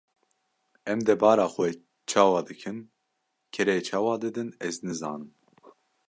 Em debara xwe çawa dikin, kirê çawa didin ez nizanim.